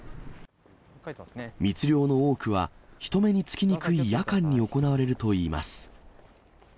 密漁の多くは、人目につきにくい夜間に行われるといいます。